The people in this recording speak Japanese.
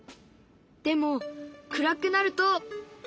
でも暗くなると。